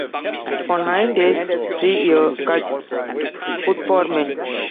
For nine days, Tree-ear cuts wood for Min.